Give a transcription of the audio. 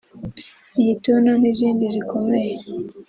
igituntu n’izindi zikomeye